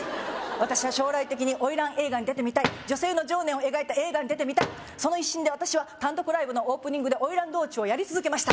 私は将来的に花魁映画に出てみたい女性の情念を描いた映画に出てみたいその一心で私は単独ライブのオープニングで花魁道中をやり続けました